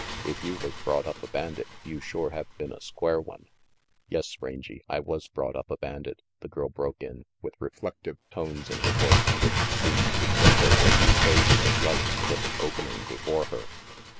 If you was brought up a bandit, you shore have been a square one. " "Yes, Rangy, I was brought up a bandit," the girl broke in, with reflective tones in her voice which seemed to say there were new phases of life just opening before her.